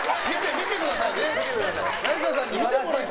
見てくださいね。